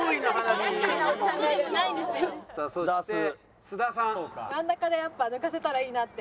真ん中でやっぱ抜かせたらいいなって。